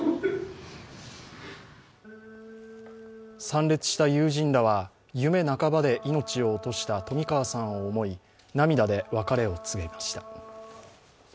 参列した友人らは、夢半ばで命を落とした冨川さんを思い、涙で別れを告げました。